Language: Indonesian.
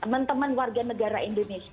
teman teman warga negara indonesia